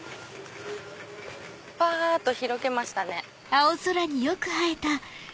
ぱっと開けましたね。